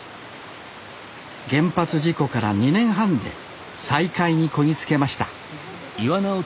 原発事故から２年半で再開にこぎつけました離すよ